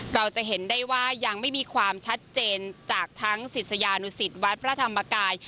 เราจะเห็นได้ว่ายังไม่มีความชัดเจนจากทั้งศิษยานุสิตวัดพระธรรมกาย